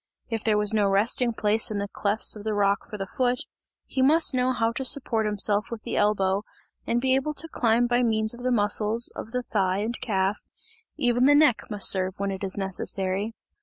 If there was no resting place in the clefts of the rock for the foot, he must know how to support himself with the elbow, and be able to climb by means of the muscles of the thigh and calf, even the neck must serve when it is necessary.